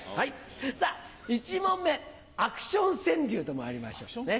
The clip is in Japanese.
さぁ１問目アクション川柳とまいりましょう。